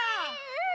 うん！